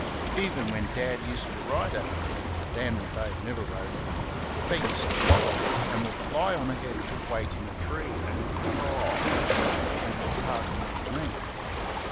Even when Dad used to ride her (Dan or Dave never rode her) they used to follow, and would fly on ahead to wait in a tree and "caw" when he was passing beneath.